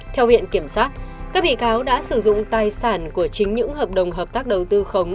theo viện kiểm sát các bị cáo đã sử dụng tài sản của chính những hợp đồng hợp tác đầu tư khống